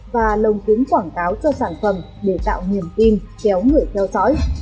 và lồng kính quảng cáo cho sản phẩm để tạo niềm tin kéo người theo dõi